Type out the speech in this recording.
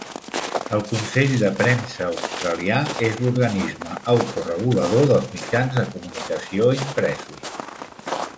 El consell de premsa australià és l'organisme autoregulador dels mitjans de comunicació impresos.